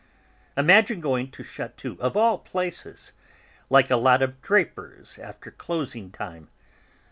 "Imagine going to Chatou, of all places! Like a lot of drapers after closing time!